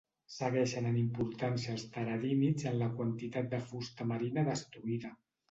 Segueixen en importància als teredínids en la quantitat de fusta marina destruïda.